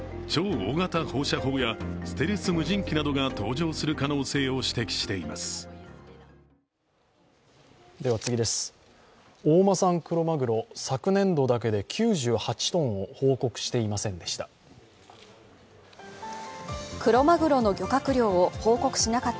大間産クロマグロ、昨年度だけで９８ｔを報告していませんでした。